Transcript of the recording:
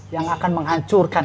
yang akan menghancurkan